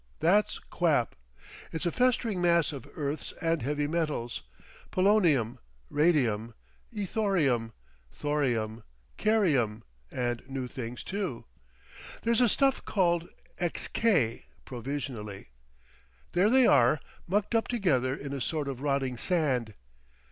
That's quap! It's a festering mass of earths and heavy metals, polonium, radium, ythorium, thorium, carium, and new things, too. There's a stuff called Xk—provisionally. There they are, mucked up together in a sort of rotting sand.